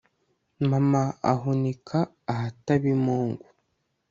mama ahunika ahataba imungu